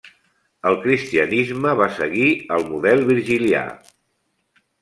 El cristianisme va seguir el model virgilià.